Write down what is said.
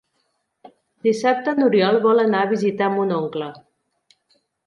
Dissabte n'Oriol vol anar a visitar mon oncle.